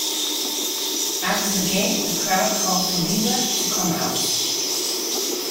After the game, the crowd called for Weaver to come out.